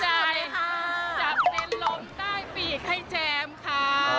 จะเป็นลมใต้ปีกให้แจมค่ะ